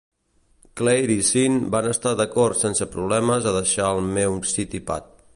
Claire i Sean van estar d'acord sense problemes a deixar el meu city pad.